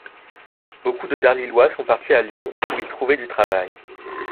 Beaucoup de dardillois sont partis à Lyon, où ils trouvaient du travail.